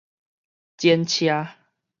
剪車